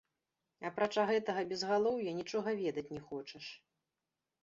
Апрача гэтага безгалоўя, нічога ведаць не хочаш.